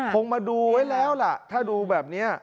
คงมาดูไว้แล้วล่ะถ้าดูแบบนี้